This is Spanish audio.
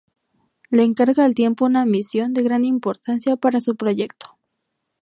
Le encarga al tiempo una misión de gran importancia para su proyecto.